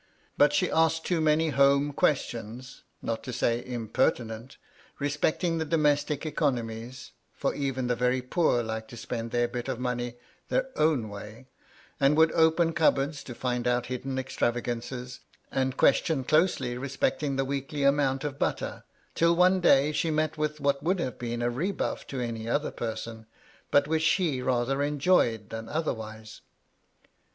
But she asked too many home questions (not to say imperti nent) respecting the domestic economies (for even the very poor like to spend their bit of money their own way), and would open cupboards to find out hidden extravagances, and question closely respecting the weekly amount of butter, till one day she met with what would have been a rebuff to any other person, but which she rather enjoyed than otherwise.